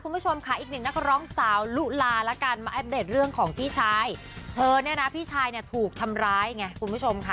ไปสวายพ่อหงพระธาตุครับ